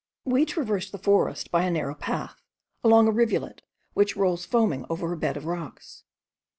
We traversed the forest by a narrow path, along a rivulet, which rolls foaming over a bed of rocks.